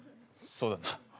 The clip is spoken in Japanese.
そうだな。